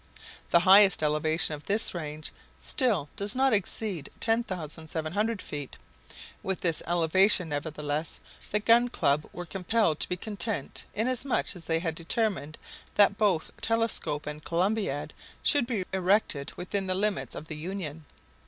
The highest elevation of this range still does not exceed 10,700 feet. With this elevation, nevertheless, the Gun Club were compelled to be content, inasmuch as they had determined that both telescope and Columbiad should be erected within the limits of the Union.